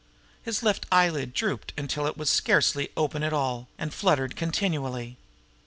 His left eyelid drooped until it was scarcely open at all, and fluttered continually.